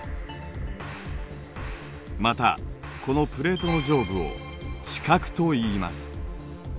またこのプレートの上部を地殻といいます。